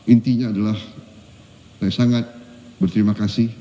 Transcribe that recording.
intinya adalah saya sangat berterima kasih